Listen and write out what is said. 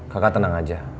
kakak tenang aja